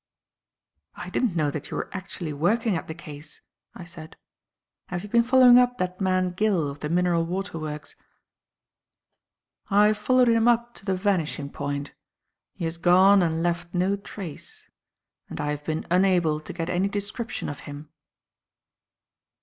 "I didn't know that you were actually working at the case," I said. "Have you been following up that man Gill of the mineral water works?" "I followed him up to the vanishing point. He has gone and left no trace; and I have been unable to get any description of him."